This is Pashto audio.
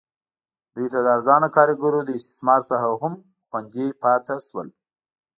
دوی د ارزانه کارګرو له استثمار څخه هم خوندي پاتې شول.